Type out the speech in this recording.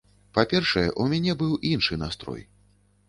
Па-першае, у мяне быў іншы настрой.